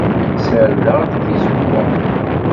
Ssardeɣ-d tizewwa.